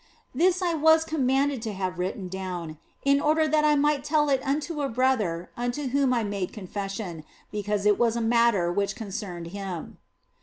This was I commanded to have written down in order that I might tell it unto a brother unto whom I made confession, because it was a matter which concerned him.